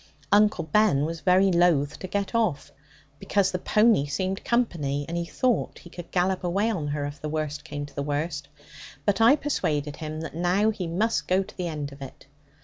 Uncle Ben was very loath to get off, because the pony seemed company, and he thought he could gallop away on her, if the worst came to the worst, but I persuaded him that now he must go to the end of it.